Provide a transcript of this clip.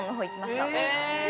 え！